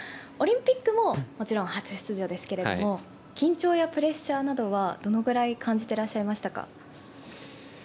オリンピックももちろん初出場ですが緊張やプレッシャーなどはどのくらい感じてらっしゃいましたか？